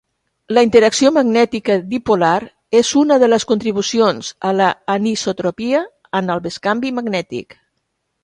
La interacció magnètica dipolar és una de les contribucions a l'anisotropia en el bescanvi magnètic.